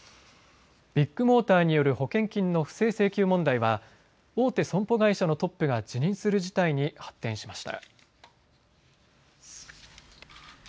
ビッグモーターによる保険金の不正請求問題は大手損保会社のトップが辞任する事態に発展しました。